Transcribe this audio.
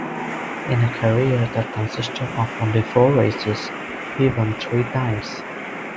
In a career that consisted of only four races, he won three times.